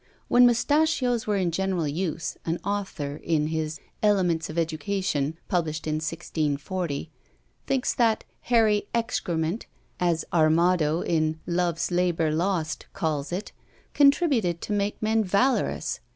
When mustachios were in general use, an author, in his Elements of Education, published in 1640, thinks that "hairy excrement," as Armado in "Love's Labour Lost" calls it, contributed to make men valorous.